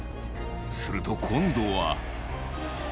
すると、今度は。